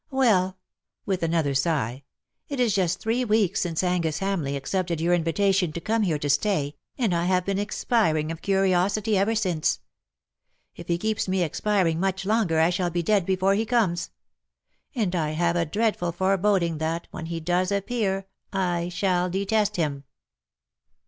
Well/^ with another sigh, '^ it is just three weeks since Angus Hamleigh accepted your invitation to come here to stay, and I have been expiring of curiosity ever since. If he keeps me expiring much longer I shall be dead before he comes. And I have a dreadful foreboding that, when he does appear, I shall detest him.''